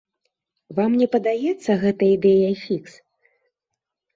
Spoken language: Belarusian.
Вам не падаецца гэта ідэяй фікс?